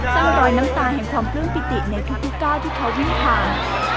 สร้างรอยน้ำตาแห่งความพลึงปิติในทุกก้าวที่เขาวิ่งทาง